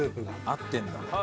合ってるんだ。